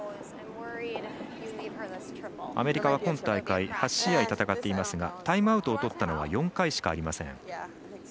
アメリカは今大会８試合戦っていますがタイムアウトをとったのは４回しかありません。